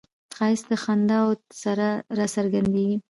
ښایست د خنداوو سره راڅرګندیږي